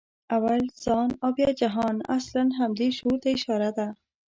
«اول ځان او بیا جهان» اصلاً همدې شعور ته اشاره ده.